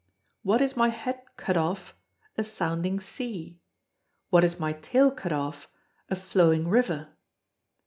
What is my head cut off? a sounding sea! What is my tail cut off? a flowing river!